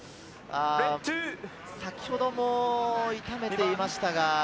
先ほども痛めていました。